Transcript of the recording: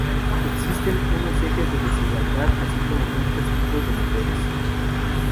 Existen unos ejes de desigualdad, así como muchos tipos de mujeres.